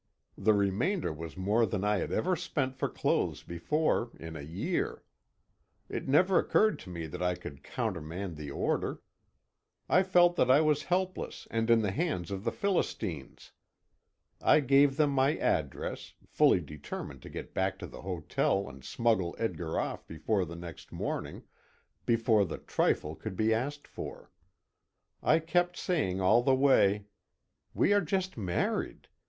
The remainder was more than I had ever spent for clothes before in a year. It never occurred to me that I could countermand the order. I felt that I was helpless and in the hands of the Philistines. I gave them my address, fully determined to get back to the hotel and smuggle Edgar off before the next morning, before the "trifle" could be asked for. I kept saying all the way: "We are just married.